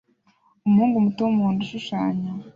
Umuhungu muto wumuhondo ushushanya